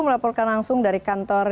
melaporkan langsung dari kantor